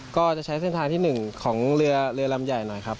ก็จะใช้เส้นทางที่๑ของเรือเรือลำใหญ่หน่อยครับ